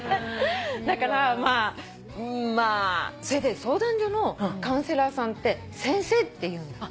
だからまあそれで相談所のカウンセラーさんって先生っていうんだって。